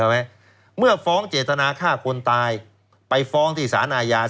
ไหมเมื่อฟ้องเจตนาฆ่าคนตายไปฟ้องที่สารอาญา